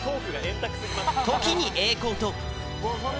時に栄光と。